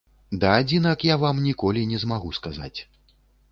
Да адзінак я вам ніколі не змагу сказаць.